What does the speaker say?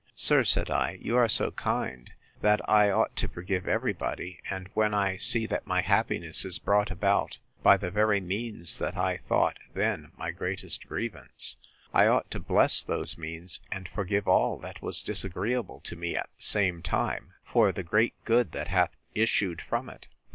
Sir, said I, you are so kind, that I ought to forgive every body; and when I see that my happiness is brought about by the very means that I thought then my greatest grievance, I ought to bless those means, and forgive all that was disagreeable to me at the same time, for the great good that hath issued from it.